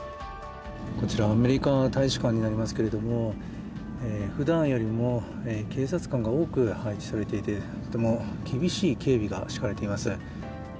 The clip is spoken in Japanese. こちらはアメリカ大使館になりますけれども、ふだんよりも警察官が多く配置されていてとても厳しい警備が敷かれています。